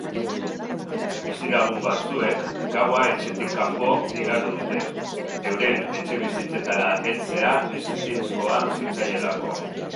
Bizilagun batzuek gaua etxetik kanpo igaro dute, euren etxebizitzetara heltzea ezinezkoa zitzaielako.